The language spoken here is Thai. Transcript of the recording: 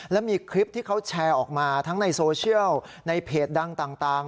และมีคลิปที่เขาแชร์ออกมาทั้งในโซเชียลในเพจดังต่าง